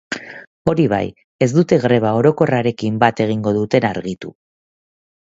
Hori bai, ez dute greba orokorrarekin bat egingo duten argitu.